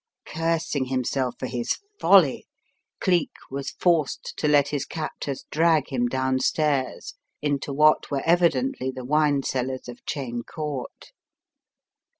Cursing himself for his folly, Cleek was forced to let his captors drag him downstairs into what were evidently the wine cellars of Cheyne Court.